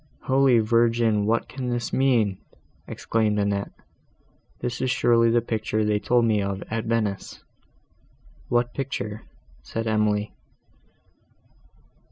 "Holy Virgin! what can this mean?" exclaimed Annette. "This is surely the picture they told me of at Venice." "What picture?" said Emily.